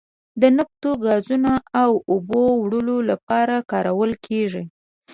د نفتو، ګازو او اوبو وړلو لپاره کارول کیږي.